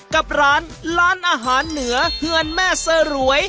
กับร้านร้านอาหารเหนือเฮือนแม่สรวย